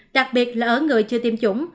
đặc biệt là ở người chưa tiêm chủng